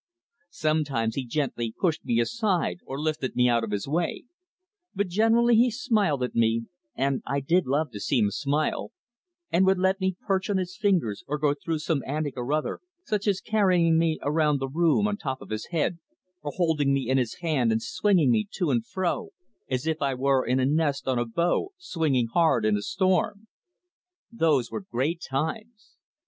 Sometimes he gently pushed me aside or lifted me out of his way, but generally he smiled at me and I did love to see him smile and would let me perch on his fingers or go through some antic or other, such as carrying me around the room on the top of his head, or holding me in his hand and swinging me to and fro as if I were in a nest on a bough swinging hard in a storm. Those were great times.